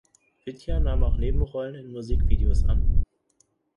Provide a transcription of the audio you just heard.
Vidya nahm auch Nebenrollen in Musikvideos an.